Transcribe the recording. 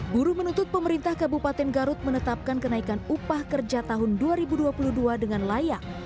buruh menuntut pemerintah kabupaten garut menetapkan kenaikan upah kerja tahun dua ribu dua puluh dua dengan layak